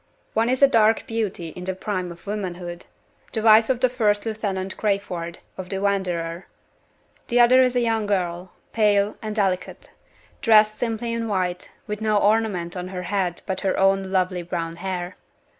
One is a dark beauty in the prime of womanhood the wife of First Lieutenant Crayford, of the Wanderer. The other is a young girl, pale and delicate; dressed simply in white; with no ornament on her head but her own lovely brown hair.